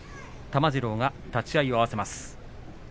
玉治郎が立ち合いを合わせます。